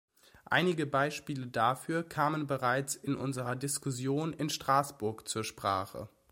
Einige Beispiele dafür kamen bereits in unserer Diskussion in Straßburg zur Sprache.